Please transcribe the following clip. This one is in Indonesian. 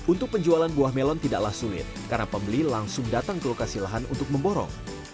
untuk penjualan buah melon tidaklah sulit karena pembeli langsung datang ke lokasi lahan untuk memborong